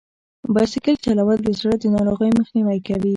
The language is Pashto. بایسکل چلول د زړه د ناروغیو مخنیوی کوي.